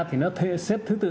thì nó xếp thứ tự